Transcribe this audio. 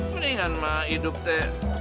mendingan ma hidup teh